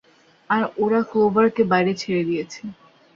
আর ওরা ক্লোভারকে বাইরে ছেঁড়ে দিয়েছে।